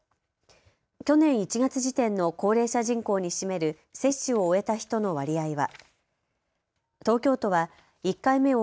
去年１月時点の高齢者人口に占める接種を終えた人の割合は。